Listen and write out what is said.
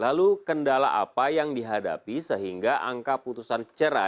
lalu prendada mengadukan berharga coco connect